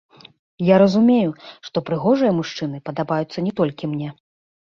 Я разумею, што прыгожыя мужчыны падабаюцца не толькі мне.